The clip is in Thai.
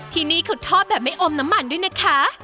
ที่นี่เขาทอดแบบไม่อมน้ำมันด้วยนะคะ